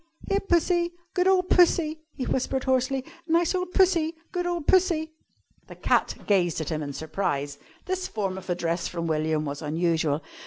"Here, Pussy! Good ole Pussy!" he whispered hoarsely. "Nice ole Pussy! Good ole Pussy!" The cat gazed at him in surprise. This form of address from William was unusual.